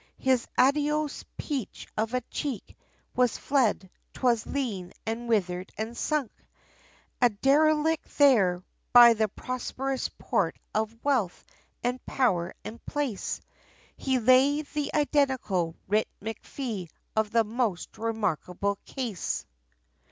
His adipose peach of cheek, was fled, 'twas lean, and withered, and sunk, A derelict there; by the prosperous port of wealth, and power, and place, He lay the identical Writ MacFee, of the most remarkable case!